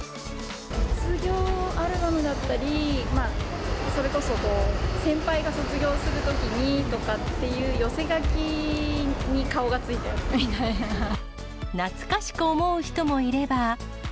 卒業アルバムだったり、それこそ先輩が卒業するときにとかっていう、寄せ書きに顔がつい懐かしく思う人もいれば。